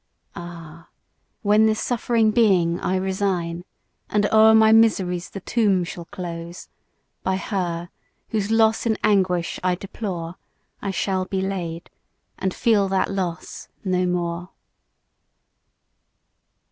Ah! when this suffering being I resign And o'er my miseries the tomb shall close, By her, whose loss in anguish I deplore, I shall be laid, and feel that loss no more!